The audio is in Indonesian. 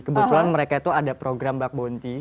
kebetulan mereka itu ada program black bounty